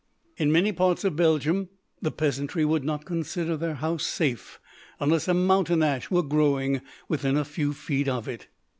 In many parts of Belgium the peasantry would not consider their house safe unless a mountain ash were growing within a few feet of it.